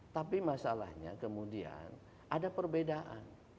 tapi masalahnya kemudian ada perbedaan